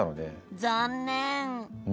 残念。